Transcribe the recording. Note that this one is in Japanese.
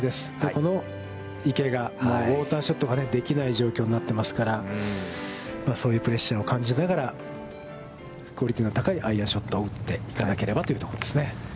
この池がウォーターショットができない状況になってますから、そういうプレッシャーを感じながらクオリティーの高いアイアンショットを打っていかなければというところですね。